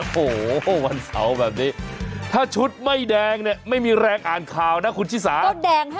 โอ้โหวันเสาร์แบบนี้ถ้าชุดไม่แดงเนี่ยไม่มีแรงอ่านข่าวนะคุณชิสา